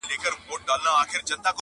o انسان ته خبره، خره ته لرگى!